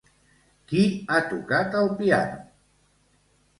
Qui ha tocat el piano?